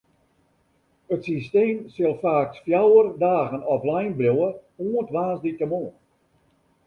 It systeem sil faaks fjouwer dagen offline bliuwe, oant woansdeitemoarn.